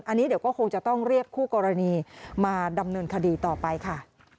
อันนี้เดี๋ยวก็คงจะต้องเรียกคู่กรณีมาดำเนินคดีต่อไปค่ะ